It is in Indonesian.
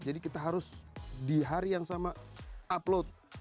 jadi kita harus di hari yang sama upload